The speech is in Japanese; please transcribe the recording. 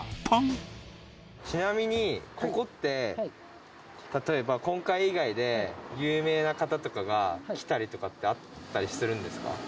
ちなみにここって例えば今回以外で有名な方とかが来たりとかってあったりするんですか？